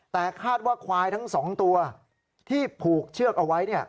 แต่คาดว่าควายทั้ง๒ตัวที่ผูกเชือกเอาไว้